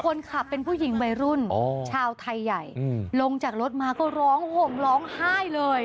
คนขับเป็นผู้หญิงวัยรุ่นชาวไทยใหญ่ลงจากรถมาก็ร้องห่มร้องไห้เลย